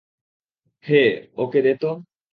হে, ওকে দে তো।